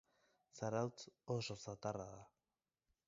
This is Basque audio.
Zarautz oso zatarra da.